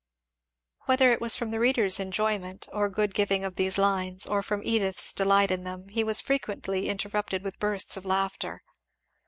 Whether it was from the reader's enjoyment or good giving of these lines, or from Edith's delight in them, he was frequently interrupted with bursts of laughter.